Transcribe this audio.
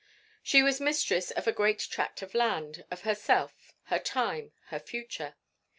She was mistress of a great tract of land, of herself, her time, her future.